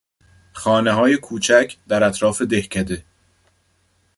خانههای کوچک در اطراف دهکده